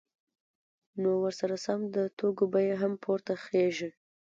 نو ورسره سم د توکو بیه هم پورته خیژي